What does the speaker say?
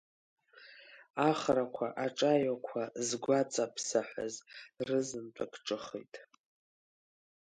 Ахрақәа, аҿаҩақәа згәаҵа ԥсаҳәаз рызынтәык ҿыхеит.